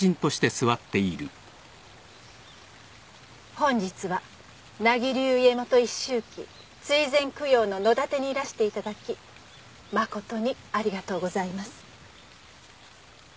本日は名木流家元一周忌追善供養の野だてにいらしていただき誠にありがとうございます。